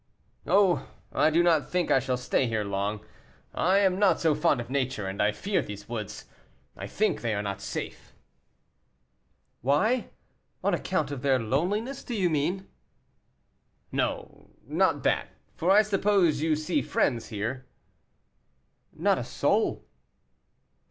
"Oh! I do not think I shall stay here long; I am not so fond of nature, and I fear these woods; I think they are not safe." "Why? on account of their loneliness, do you mean?" "No, not that, for I suppose you see friends here." "Not a soul."